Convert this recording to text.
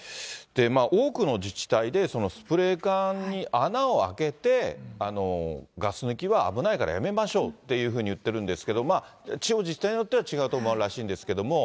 多くの自治体で、スプレー缶に穴をあけてガス抜きは危ないからやめましょうというふうにいってるんですけど、地方自治体によっては違う所もあるらしいんですけれども。